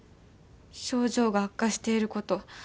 症状が悪化していること